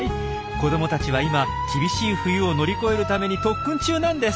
子どもたちは今厳しい冬を乗り越えるために特訓中なんです。